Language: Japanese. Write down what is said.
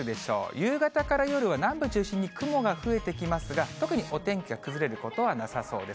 夕方から夜は南部中心に雲が増えてきますが、特にお天気が崩れることはなさそうです。